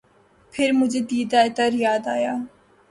پھر مجھے دیدہٴ تر یاد آیا